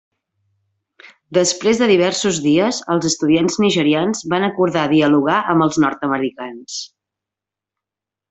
Després de diversos dies, els estudiants nigerians van acordar dialogar amb els nord-americans.